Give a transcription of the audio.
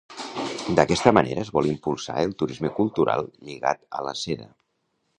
D'aquesta manera, es vol impulsar el turisme cultural lligat a la seda.